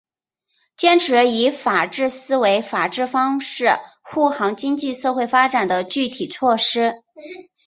坚持以法治思维法治方式护航经济社会发展的具体措施